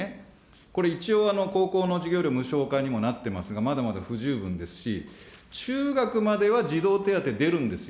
これ、一応、高校の授業料無償化にもなってますが、まだまだ不十分ですし、中学までは児童手当出るんですよ、